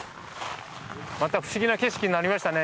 また不思議な景色になりましたね。